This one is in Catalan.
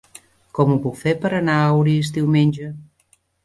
Com ho puc fer per anar a Orís diumenge?